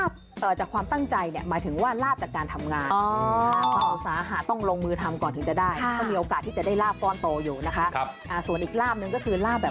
ส่วนอีกลาบหนึ่งก็คือ